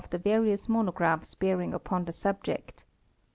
183 the various monographs bearing upon the subject.